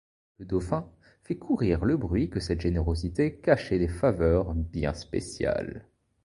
Le Dauphin fait courir le bruit que cette générosité cachait des faveurs bien spéciales.